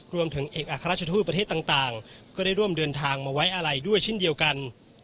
รวมถึงเอกอัครราชทูตประเทศต่างก็ได้ร่วมเดินทางมาไว้อะไรด้วยเช่นเดียวกัน